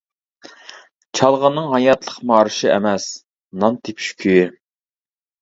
چالغىنىڭ ھاياتلىق مارشى ئەمەس، نان تېپىش كۈيى.